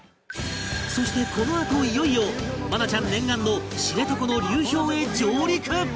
そしてこのあといよいよ愛菜ちゃん念願の知床の流氷へ上陸！